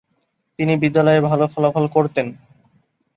তিনি বিদ্যালয়ে ভালো ফলাফল করতেন।